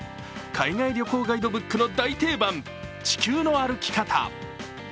海外旅行ガイドブックの題定番「地球の歩き方」。